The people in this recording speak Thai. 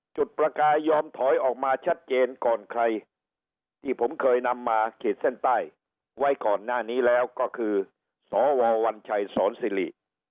ประกายยอมถอยออกมาชัดเจนก่อนใครที่ผมเคยนำมาขีดเส้นใต้ไว้ก่อนหน้านี้แล้วก็คือสววัญชัยสอนสิริ